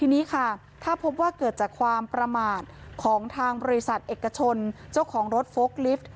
ทีนี้ค่ะถ้าพบว่าเกิดจากความประมาทของทางบริษัทเอกชนเจ้าของรถโฟล์กลิฟต์